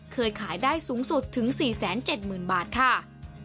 เคยขายได้สูงสุดถึง๔๗๐๐๐บาทค่ะ